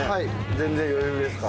全然余裕ですか？